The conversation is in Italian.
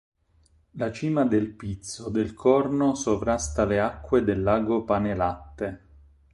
La cima del Pizzo del Corno sovrasta le acque del Lago Panelatte.